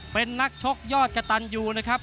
เป็นนักชกยอดกระตันยูนะครับ